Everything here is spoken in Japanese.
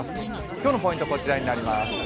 今日のポイント、こちらになります。